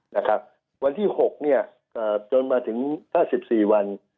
นะครับวันที่๖จนมาถึง๕๔วัน